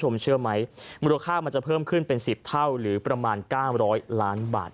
เชื่อไหมมูลค่ามันจะเพิ่มขึ้นเป็น๑๐เท่าหรือประมาณ๙๐๐ล้านบาท